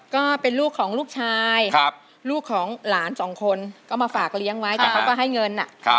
ก็เป็นลูกของลูกชายลูกของหลานสองคนก็มาฝากเลี้ยงไว้แต่เขาก็ให้เงิน